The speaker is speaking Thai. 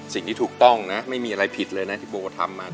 สิ่งที่ถูกต้องนะไม่มีอะไรผิดเลยนะที่โบทำมา